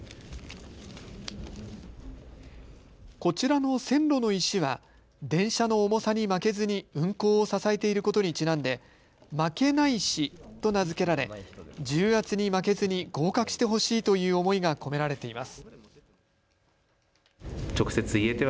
こちらの線路の石は電車の重さに負けずに運行を支えていることにちなんで、負けなイシと名付けられ、重圧に負けずに合格してほしいという思いが込められています。